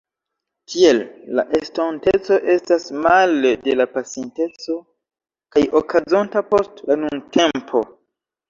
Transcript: Tiel, la estonteco estas male de la pasinteco, kaj okazonta post la nuntempo.